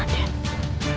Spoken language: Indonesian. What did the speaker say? jangan salah paham raden